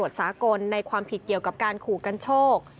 กับตำรวจสากลในความผิดเกี่ยวกับการขู่กันโชค